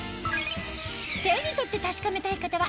手に取って確かめたい方は